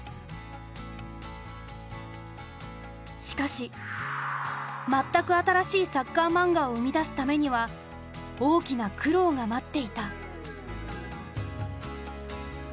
しかし全く新しいサッカーマンガを生み出すためには大きな苦労が待っていた。